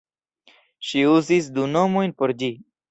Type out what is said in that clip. Ŝi uzis du nomojn por ĝi.